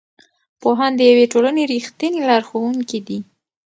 پوهان د یوې ټولنې رښتیني لارښوونکي دي.